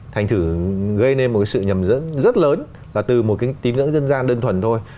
thành thử gây nên một cái sự nhầm dẫn rất lớn là từ một cái tín ngưỡng dân gian đơn thuần thôi